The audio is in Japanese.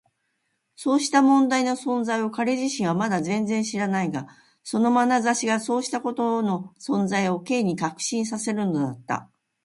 そうした問題の存在を彼自身はまだ全然知らないが、そのまなざしがそうしたことの存在を Ｋ に確信させるのだった。